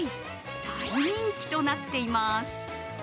大人気となっています。